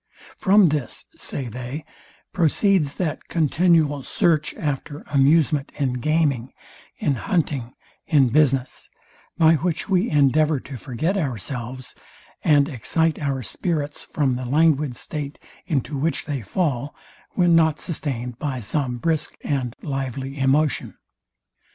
From this, say they, proceeds that continual search after amusement in gaming, in hunting, in business; by which we endeavour to forget ourselves, and excite our spirits from the languid state, into which they fall, when not sustained by some brisk and lively emotion.